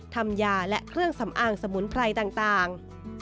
ทำยาและเครื่องสำอางสมุนไพรต่าง